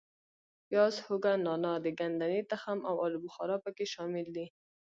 پیاز، هوګه، نانا، د ګدنې تخم او آلو بخارا په کې شامل دي.